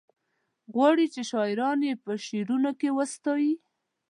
غواړي چې شاعران یې په شعرونو کې وستايي.